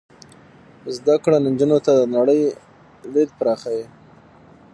زده کړه نجونو ته د نړۍ لید پراخوي.